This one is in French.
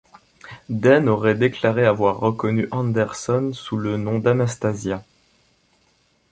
Dehn aurait déclaré avoir reconnu Anderson sous le nom d'Anastasia.